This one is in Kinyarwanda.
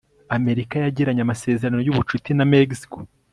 amerika yagiranye amasezerano yubucuti na mexico